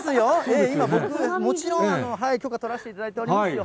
ええ、今、僕、もちろん許可取らせていただいてますよ。